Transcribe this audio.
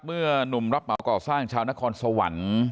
หนุ่มรับเหมาก่อสร้างชาวนครสวรรค์